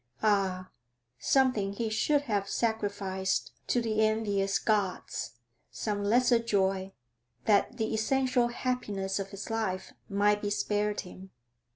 Ah, something he should have sacrificed to the envious gods, some lesser joy, that the essential happiness of his life might be spared him.